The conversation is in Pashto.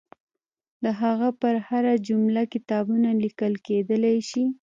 د هغه پر هره جمله کتابونه لیکل کېدلای شي.